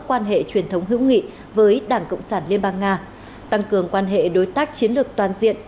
quan hệ truyền thống hữu nghị với đảng cộng sản liên bang nga tăng cường quan hệ đối tác chiến lược toàn diện